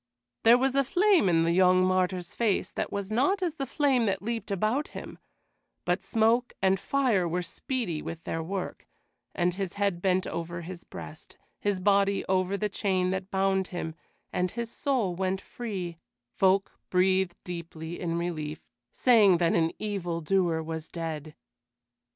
There was a flame in the young martyr's face that was not as the flame that leaped about him; but smoke and fire were speedy with their work, and his head bent over his breast, his body over the chain that bound him, and as his soul went free, folk breathed deeply in relief, saying that an evil doer was dead.